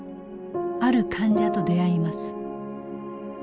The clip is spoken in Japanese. ある患者と出会います。